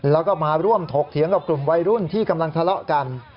แล้วก็มาร่วมถกเถียงกับกลุ่มวัยรุ่นที่กำลังทะเลาะกัน